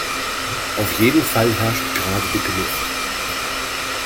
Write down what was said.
Auf jeden Fall herrscht gerade dicke Luft.